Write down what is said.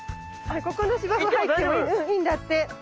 ここの芝生入ってもいいんだって。